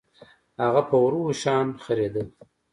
هغه په ورو شان خرېدل